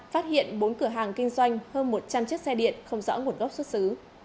phát hiện bốn cửa hàng kinh doanh hơn một trăm linh chiếc xe điện không rõ nguồn gốc xuất xứ